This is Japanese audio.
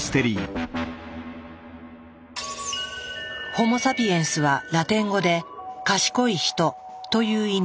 ホモ・サピエンスはラテン語で「賢いヒト」という意味だ。